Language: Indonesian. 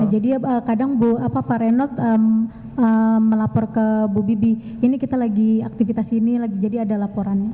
jadi kadang pak renold melapor ke bu bibi ini kita lagi aktivitas ini lagi jadi ada laporannya